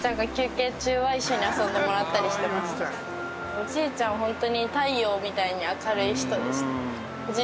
おじいちゃんホントに。